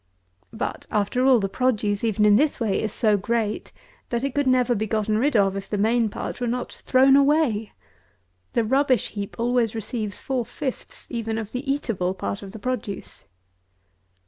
But, after all, the produce, even in this way, is so great, that it never could be gotten rid of, if the main part were not thrown away. The rubbish heap always receives four fifths even of the eatable part of the produce.